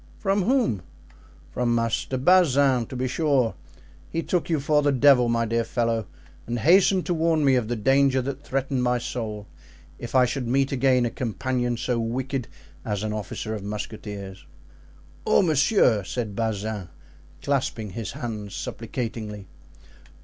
"From whom?" "From Master Bazin, to be sure; he took you for the devil, my dear fellow, and hastened to warn me of the danger that threatened my soul if I should meet again a companion so wicked as an officer of musketeers." "Oh, monsieur!" said Bazin, clasping his hands supplicatingly.